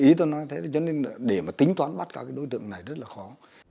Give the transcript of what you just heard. ý tôi là thế cho nên để tính toán bắt các đối tượng này rất là khó